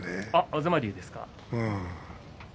東龍ですか。